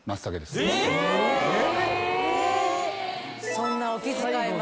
そんなお気遣いまで。